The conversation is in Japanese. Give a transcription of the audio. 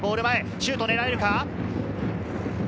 ゴール前、シュートを狙えるか。